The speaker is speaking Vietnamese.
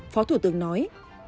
phó thủ tướng nói